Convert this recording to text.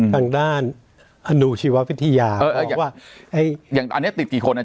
ต่างด้านอนูชิวไฟธิยา